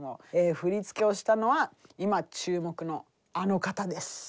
振り付けをしたのは今注目のあの方です。